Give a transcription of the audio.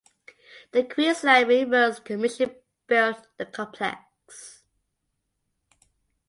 The Queensland Main Roads Commission built the complex.